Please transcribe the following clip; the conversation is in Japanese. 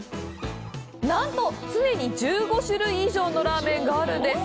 なんと、常に１５種類以上のラーメンがあるんです！